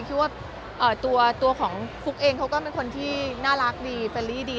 คือว่าตัวของฟุ๊กเองเขาก็เป็นคนที่น่ารักดีเฟลลี่ดี